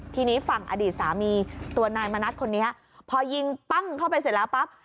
ทีนี้ฝั่งอดีตสามีตัวนายมณัฐคนนี้พอยิงปั้งเข้าไปเสร็จแล้วปั๊บ